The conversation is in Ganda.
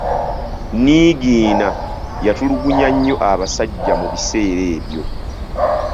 Niigiina yatulugunya nnyo abasajja mu biseera ebyo.